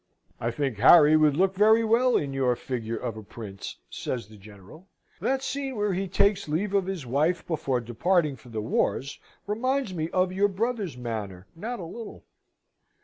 "I think Harry would look very well in your figure of a Prince," says the General. "That scene where he takes leave of his wife before departing for the wars reminds me of your brother's manner not a little."